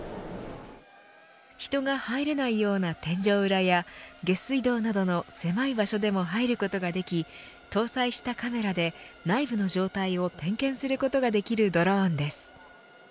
人が入れないような天井裏や下水道などの狭い場所でも入ることができ搭載したカメラで内部の状態を点検することができるドローンです。